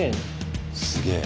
すげえ。